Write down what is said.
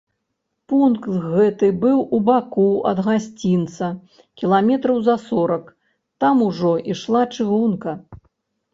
Пункт гэты быў у баку ад гасцінца кіламетраў за сорак, там ужо ішла чыгунка.